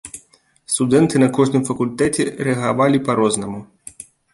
Студэнты на кожным факультэце рэагавалі па-рознаму.